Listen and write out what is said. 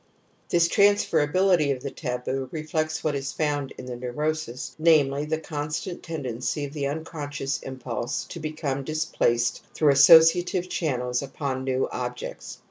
This transferability of the taboo reflects what is found in the npurosis, namely, the constant tendency of thefunconscious impulse to become displaced through associative channels upon new objects.'